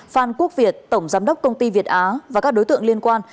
phan quốc việt tổng giám đốc công ty việt á và các đối tượng liên quan